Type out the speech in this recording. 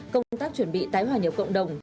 công tác chuẩn bị tái hòa nhập cộng đồng